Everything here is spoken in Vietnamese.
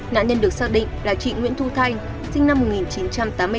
nạn nhân được xác định là chị nguyễn thu thanh sinh năm một nghìn chín trăm tám mươi bốn